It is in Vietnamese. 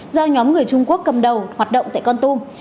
do nhóm người trung quốc cầm đầu hoạt động tại con tum